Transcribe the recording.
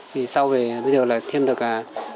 vì sau về bây giờ là thêm được cả